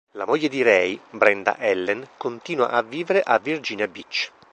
La moglie di Ray, Brenda Ellen, continua a vivere a Virginia Beach.